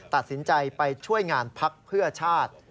ตัดสินใจไปช่วยงานพักเพื่อชาติ